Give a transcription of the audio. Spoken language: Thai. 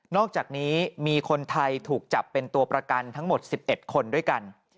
อกจากนี้มีคนไทยถูกจับเป็นตัวประกันทั้งหมด๑๑คนด้วยกัน